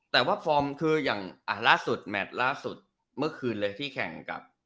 แต่ว่าฟอร์มคืออย่างล่าสุดแมทล่าสุดเมื่อคืนเลยที่แข่งกับ